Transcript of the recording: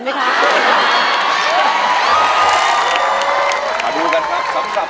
โลกใจโลกใจโลกใจโลกใจโลงใจ